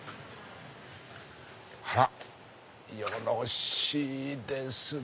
あらよろしいですね。